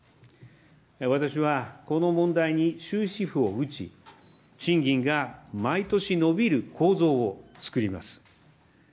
私は、この問題に終止符を打ち、賃金が毎年伸びる構造を作ります。